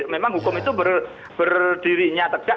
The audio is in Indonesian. memang hukum itu berdirinya